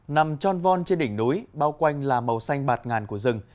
nằm tròn von trên đỉnh núi bao quanh là màu xanh bạt ngàn của rừng